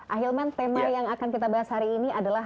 ahilman tema yang akan kita bahas hari ini adalah